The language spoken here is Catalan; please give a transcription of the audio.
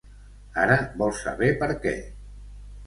Ara vol saber per què.